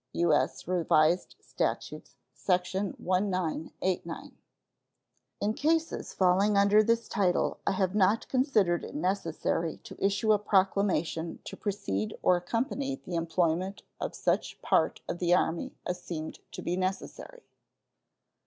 (U.S. Revised Statutes, sec. 1989.) In cases falling under this title I have not considered it necessary to issue a proclamation to precede or accompany the employment of such part of the Army as seemed to be necessary.